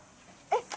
えっ。